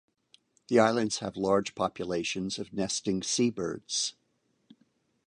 The islands have large populations of nesting seabirds.